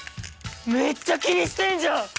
めっちゃ気にしてんじゃん！